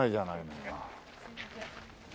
すいません。